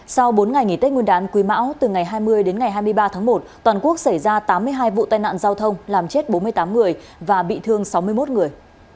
sau bốn ngày nghỉ tết nguyên đán quý mão từ ngày hai mươi đến ngày hai mươi ba tháng một toàn quốc xảy ra tám mươi hai vụ tai nạn giao thông làm chết bốn mươi tám người và bị thương sáu mươi một người